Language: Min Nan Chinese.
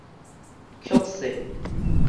抾稅